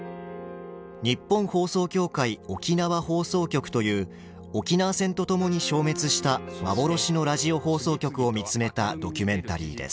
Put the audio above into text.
日本放送協会沖縄放送局という沖縄戦とともに消滅した幻のラジオ放送局を見つめたドキュメンタリーです。